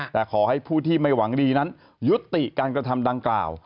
แต่ขอให้ผู้ที่ไม่หวังดีนั้นยุติการกระทำดังกล่าว